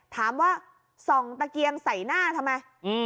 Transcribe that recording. ถามว่าส่องตะเกียงใส่หน้าทำไม